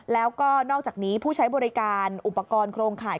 แล้วก็นอกจากนี้ผู้ใช้บริการอุปกรณ์โครงข่าย